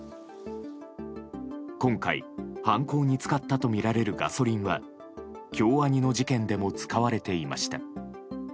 今回、犯行に使ったとみられるガソリンは京アニの事件でも使われていました。